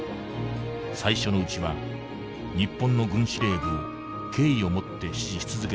最初のうちは日本の軍司令部を敬意を持って支持し続けたのだ。